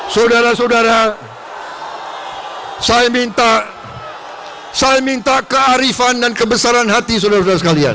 saudara saudara saya minta saya minta kearifan dan kebesaran hati saudara saudara sekalian